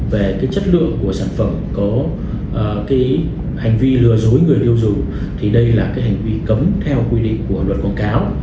về chất lượng của sản phẩm có hành vi lừa dối người tiêu dụng thì đây là hành vi cấm theo quy định của luật quảng cáo